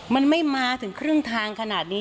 มันไม่มาถึงครึ่งทางขนาดนี้